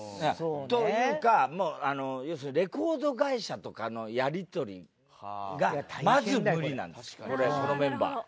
というかもう要するにレコード会社とかのやり取りがまず無理なんですよこれこのメンバー。